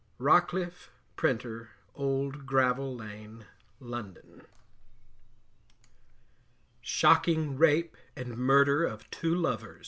Rocliff, Printer, Old Gravel Lane, London. SHOCKING RAPE AND MURDER OF TWO LOVERS.